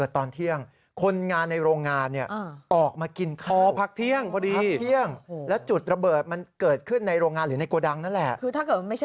ถ้าบอกไม่รู้มั้ยนี่ครับ